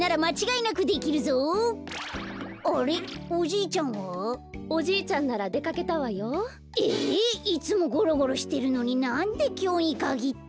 いつもゴロゴロしてるのになんできょうにかぎって。